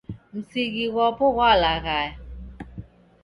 Msigi ghwapo ghwalaghaya